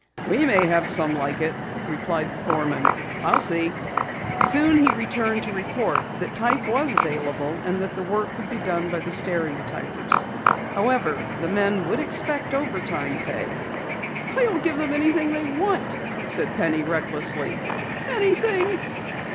"We may have some like it," replied the foreman. "I'll see." Soon he returned to report that type was available and that the work could be done by the stereotypers. However, the men would expect overtime pay. "I'll give them anything they want," said Penny recklessly. "Anything."